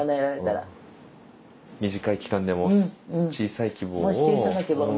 短い期間でも小さい希望を。